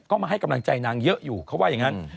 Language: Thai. ก็มาให้กำลังใจนางเยอะอยู่เขาว่าอย่างนั้น